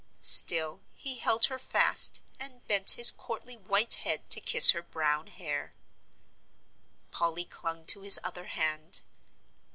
Still he held her fast, and bent his courtly white head to kiss her brown hair. Polly clung to his other hand.